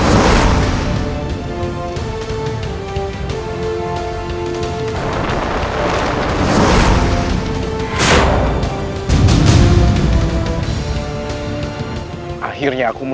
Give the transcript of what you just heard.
mereka semua sudah kabur